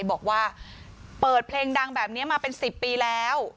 บอกว่าเปิดเพลงดังแบบนี้มาเป็น๑๐ปีแล้ว